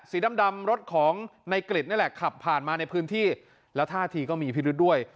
สีดำรถของในกริจนี่แหละขับผ่านมาในพื้นที่แล้วท่าทีก็มีพิรุษด้วย